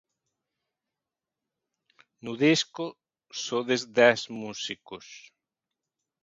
No disco sodes dez músicos...